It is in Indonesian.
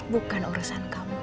bukan urusan kamu